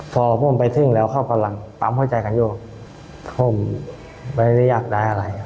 พอผมไปถึงแล้วเขากำลังปั๊มหัวใจกันอยู่ผมไม่ได้อยากได้อะไร